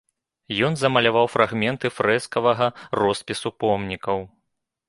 Ён замаляваў фрагменты фрэскавага роспісу помнікаў.